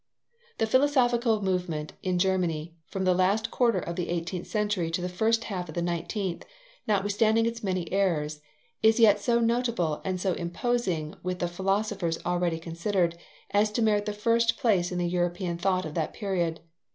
The philosophical movement in Germany from the last quarter of the eighteenth century to the first half of the nineteenth, notwithstanding its many errors, is yet so notable and so imposing with the philosophers already considered, as to merit the first place in the European thought of that period.